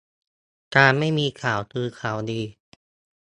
การไม่มีข่าวคือข่าวดี